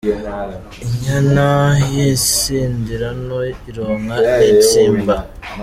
Inyana y’insindirano ironka ntitsimba.